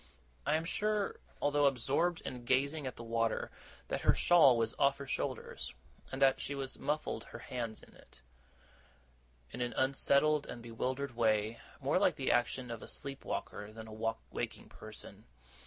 I am sure, although absorbed in gazing at the water, that her shawl was off her shoulders, and that she was muffling her hands in it, in an unsettled and bewildered way, more like the action of a sleep walker than a waking person.